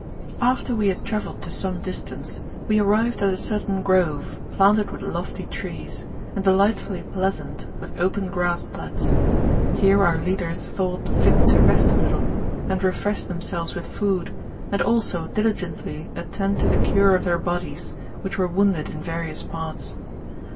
After we h^d travelled to some distance, we arrived at GOLDEN ASS, OF APULEIUS. — BOOK VIII. I33 a certain grove, planted with lofty trees, and delightfully plea sant, with open grass plats. Here our leaders thought fit to rest a little, and refresh themselves with food, and also diligently attend to the cure of their bodies, which were wounded in various parts.